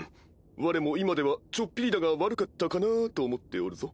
われも今ではちょっぴりだが悪かったかなと思っておるぞ。